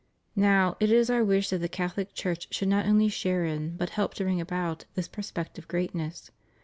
Now, it is Our wish that the Catholic Church should not only share in, but help to bring about, this prospective greatness.